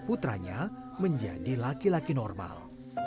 putranya menjadi laki laki normal